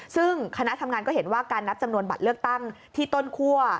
ซึ่งคณะทำงานก็เห็นว่าการนับจำนวนบัตรเลือกตั้งที่ต้นคั่ว